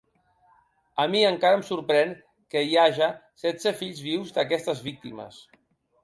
A mi encara em sorprèn que hi haja setze fills vius d’aquestes víctimes.